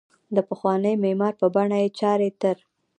د پخوانۍ معمارۍ په بڼه یې چارې تر